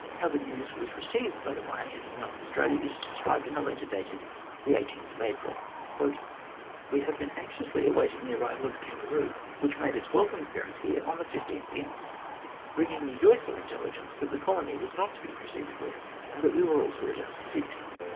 How the news was received by the THE VETO OF EARL GREY 63 pioneers of North Australia is described in a letter dated April 18 :" We have been anxiously awaiting the arrival of the Kangaroo, which made its welcome appeara ice here on the 15th inst., bringing the joyful intelligence that the colony was not to be proceeded with, and that we were all to return to Sydney.